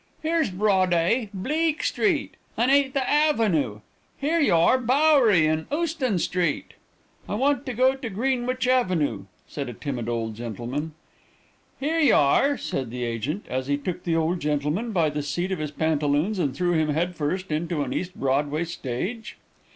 'Here's Broad'ay, Bleeck' street, un' Eigh thavenue.' 'Here y'ar Bowery un' Ouston street.' "'I want to go to Greenwich Avenue,' said a timid old gentleman. "'Here y'ar,' said the agent, as he took the old gentleman by the seat of his pantaloons, and threw him head first into an East Broadway stage.